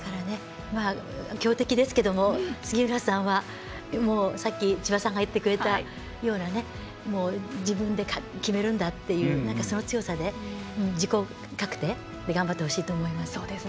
強敵ですけど杉浦さんはさっき千葉さんが言ってくれたような自分で決めるんだっていうその強さで頑張ってほしいです。